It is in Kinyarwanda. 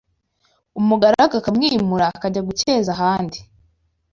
umugaragu akamwimura akajya gukeza ahandi